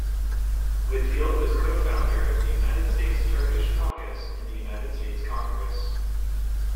Whitfield was Co-Founder of the United States Turkish Caucus in the United States Congress.